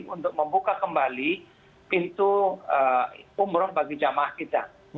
untuk membuka kembali pintu umroh bagi jamaah kita